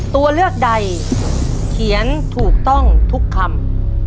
ตัวเลือกใดเขียนถูกต้องทุกคำ